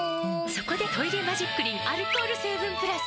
そこで「トイレマジックリン」アルコール成分プラス！